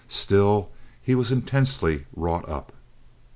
Still he was intensely wrought up.